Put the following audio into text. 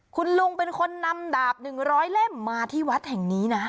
คุณลุงเป็นคนนำดาบ๑๐๐เล่มมาที่วัดแห่งนี้นะ